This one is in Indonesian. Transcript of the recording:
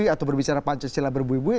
atau berbicara pancasila berbui buih